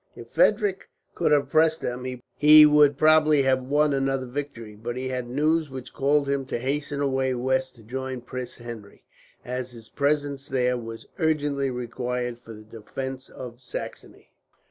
If Frederick could have pressed them, he would probably have won another victory; but he had news which called him to hasten away west to join Prince Henry, as his presence there was urgently required for the defence of Saxony.